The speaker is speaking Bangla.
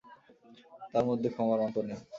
তার মধ্যে ক্ষমার অন্ত নেই।